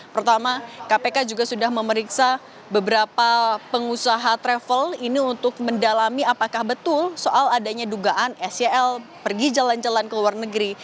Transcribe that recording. pertama kpk juga sudah memeriksa beberapa pengusaha travel ini untuk mendalami apakah betul soal adanya dugaan sel pergi jalan jalan ke luar negeri